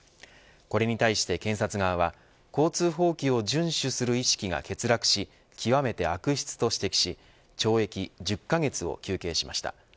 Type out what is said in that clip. これに対して検察側は交通法規を順守する意識が欠落し極めて悪質と指摘し懲役１０カ月を求刑しました。